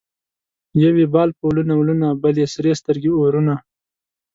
یو یې بال په ولونه ولونه ـ بل یې سرې سترګې اورونه